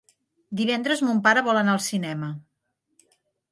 Divendres mon pare vol anar al cinema.